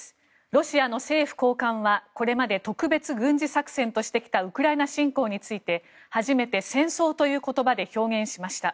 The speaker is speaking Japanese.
ロシアの政府高官はこれまで特別軍事作戦としてきたウクライナ侵攻について初めて戦争という言葉で表現しました。